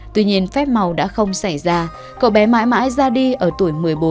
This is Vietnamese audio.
tuy nhiên phép màu đã không xảy ra cậu bé mãi mãi ra đi ở tuổi một mươi bốn